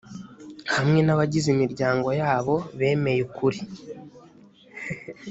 hamwe n’abagize imiryango yabo bemeye ukuri